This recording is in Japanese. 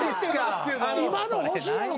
今の欲しいやろ？